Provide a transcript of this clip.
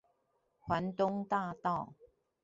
環東大道